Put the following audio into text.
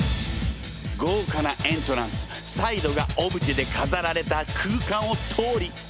豪華なエントランスサイドがオブジェでかざられた空間を通り。